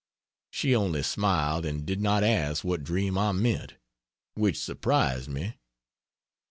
She only smiled and did not ask what dream I meant, which surprised me.